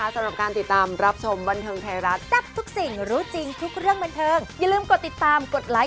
ใช่มันกี่แอบแจ้วพี่เต๋อนนิดนึงได้มั้ย